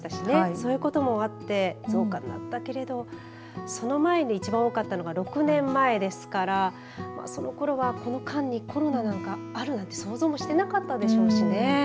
そういうこともあってその前に一番多かったのは６年前ですからそのころはこの間にコロナなんかあるなんて想像もしてなかったでしょうしね。